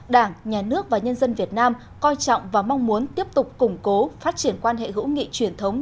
đảng nhà nước và nhân dân việt nam coi trọng và mong muốn tiếp tục củng cố phát triển quan hệ hữu nghị truyền thống